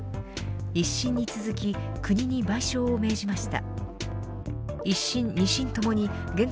一審に続き国に賠償を命じました。